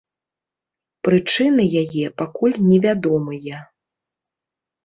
Прычыны яе пакуль невядомыя.